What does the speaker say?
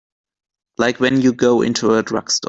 Like when you go into a drugstore.